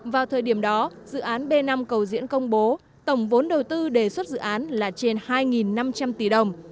vào thời điểm đó dự án b năm cầu diễn công bố tổng vốn đầu tư đề xuất dự án là trên hai năm trăm linh tỷ đồng